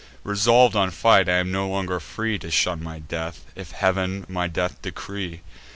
Resolv'd on fight, I am no longer free To shun my death, if Heav'n my death decree."